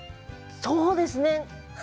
そうですね。